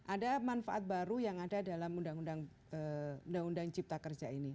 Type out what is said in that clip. ada manfaat baru yang ada dalam undang undang cipta kerja ini